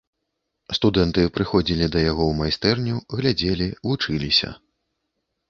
Студэнты прыходзілі да яго ў майстэрню, глядзелі, вучыліся.